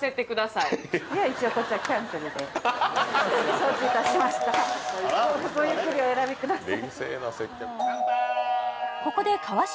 承知いたしましたごゆっくりお選びください